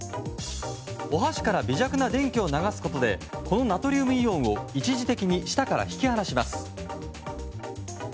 お箸から微弱な電気を流すことでこのナトリウムイオンを一時的に舌から引き離します。